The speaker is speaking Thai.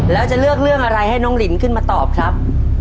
แล้วจะเลือกเรื่องอะไรให้น้องลินขึ้นมาตอบครับ